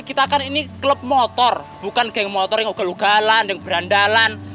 kita kan ini klub motor bukan geng motor yang ugal ugalan yang berandalan